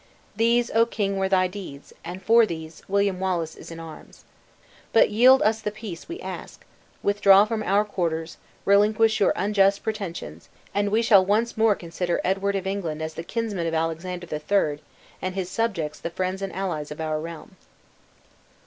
These, O king, were thy deeds, and for these William Wallace is in arms. But yield us the peace we ask withdraw from our quarters relinquish your unjust pretensions, and we shall once more consider Edward of England as the kinsman of Alexander the Third, and his subjects the friends and allies of our realm."